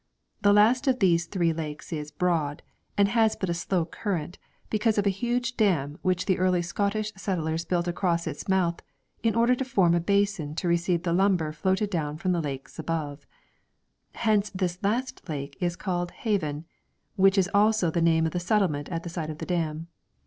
The last of the three lakes is broad, and has but a slow current because of a huge dam which the early Scottish settlers built across its mouth in order to form a basin to receive the lumber floated down from the lakes above. Hence this last lake is called Haven, which is also the name of the settlement at the side of the dam.